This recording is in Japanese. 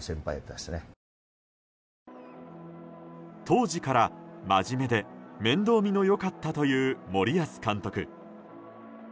当時から真面目で、面倒見の良かったという森保監督。